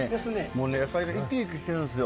もうね野菜が生き生きしてるんですよ。